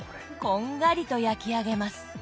こんがりと焼き上げます。